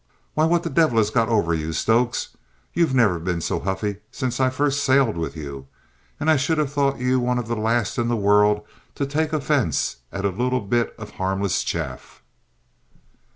Why, what the devil has got over you, Stokes? You've never been so huffy since I first sailed with you, and I should have thought you one of the last in the world to take offence at a little bit of harmless chaff."